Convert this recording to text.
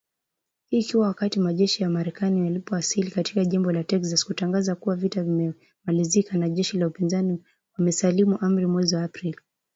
Hii ikiwa wakati majeshi ya Marekani yalipowasili katika jimbo la Texas kutangaza kuwa vita vimemalizika na jeshi la upinzani wamesalimu amri mwezi April